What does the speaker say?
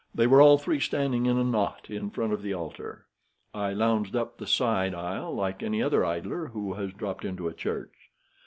They were all three standing in a knot in front of the altar. I lounged up the side aisle like any other idler who has dropped into a church.